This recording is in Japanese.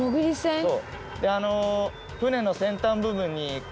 そう。